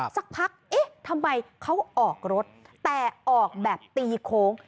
สักพักเอ๊ะทำไมเขาออกรถแต่ออกแบบตีโค้ง